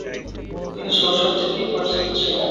তিনি শৈশব থেকেই পরিচিত ছিলেন।